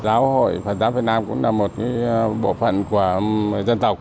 giáo hội phật giáo việt nam cũng là một bộ phận của dân tộc